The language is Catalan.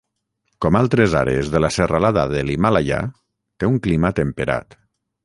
Com altres àrees de la serralada de l'Himàlaia, té un clima temperat.